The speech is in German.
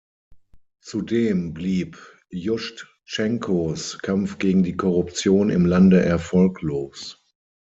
Zudem blieb Juschtschenkos Kampf gegen die Korruption im Lande erfolglos.